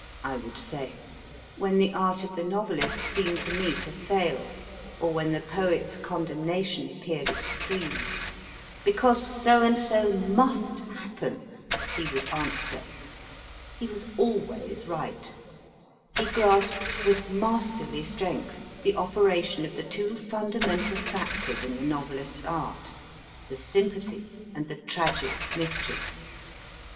I would say, when the art of the novelist seemed to me to fail, or when the poet s condemnation appeared extreme. * Because so and so must happen/ he would answer. He was always right. He grasped with masterly strength the operation of the two fundamental factors in the novelist s art the sympathy and the tragic mischief.